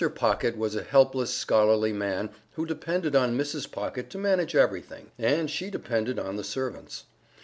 Pocket was a helpless scholarly man who depended on Mrs. Pocket to manage everything, and she depended on the servants.